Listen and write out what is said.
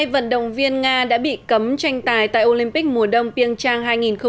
ba mươi hai vận động viên nga đã bị cấm tranh tài tại olympic mùa đông biên trang hai nghìn một mươi tám